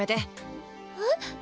えっ。